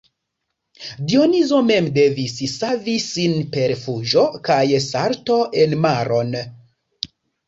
Dionizo mem devis savi sin per fuĝo kaj salto en maron.